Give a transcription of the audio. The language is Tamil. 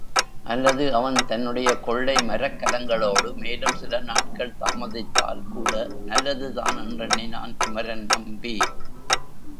அல்லது அவன் தன்னுடைய கொள்ளை மரக்கலங்களோடு மேலும் சில நாட்கள் தாமதித்தால் கூட நல்லதுதான் என்றெண்ணினான் குமரன் நம்பி.